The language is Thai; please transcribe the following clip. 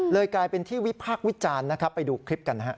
เลยกลายเป็นที่วิพากษ์วิจารณ์ไปดูคลิปกันนะครับ